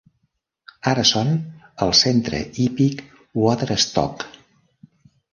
Ara són el Centre Hípic Waterstock.